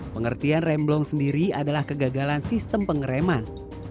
pengertian rem blong sendiri adalah kegagalan sistem pengereman